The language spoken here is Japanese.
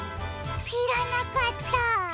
しらなかったあ。